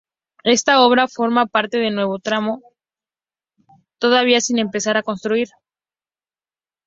Esta obra forma parte del nuevo tramo Altza-Pasai Antxo-Galtzaraborda, todavía sin empezar a construir.